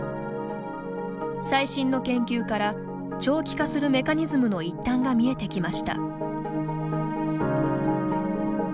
最新の研究から長期化するメカニズムの一端が見えてきました。